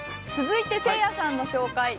続いてせいやさんの紹介。